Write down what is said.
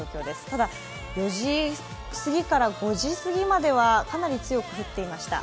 ただ、４時すぎから５時すぎまではかなり強く降っていました。